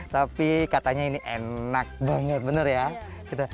tapi katanya ini enak banget bener ya